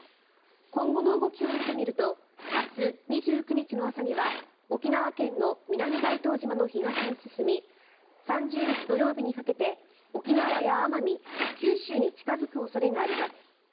今後の動きを見てみると明日２９日の朝には沖縄県の南大東島の東に進み３０日土曜日にかけて沖縄や奄美、九州に近付く恐れがあります。